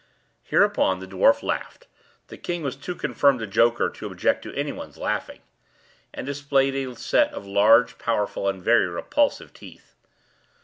Hereupon the dwarf laughed (the king was too confirmed a joker to object to any one's laughing), and displayed a set of large, powerful, and very repulsive teeth.